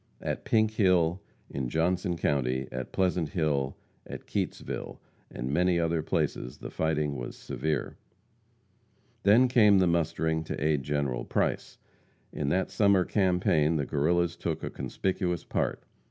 At Pink Hill, in Johnson county, at Pleasant Hill, at Keytesville, and many other places the fighting was severe. Then came the mustering to aid General Price. In that summer campaign the Guerrillas took a conspicuous part.